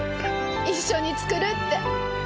一緒に作るって。